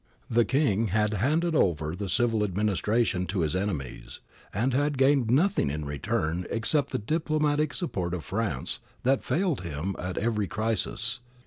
The King had handed over the civil administration to his enemies, and had gained nothing in return except the diplomatic support of France that failed him at every crisis.